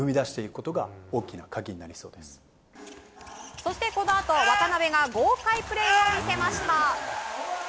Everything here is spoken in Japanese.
そして、このあと渡邊が豪快プレーを見せました。